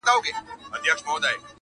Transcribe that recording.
سل سپرلي دي را وسته چي راغلې ګلابونو کي,